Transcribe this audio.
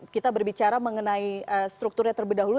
kita berbicara mengenai strukturnya terlebih dahulu